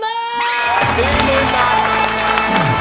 ร้องได้แบบนี้รับแล้วค่ะ๔๐๐๐๐บาท